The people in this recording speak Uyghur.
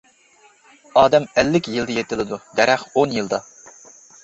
ئادەم ئەللىك يىلدا يېتىلىدۇ، دەرەخ ئون يىلدا.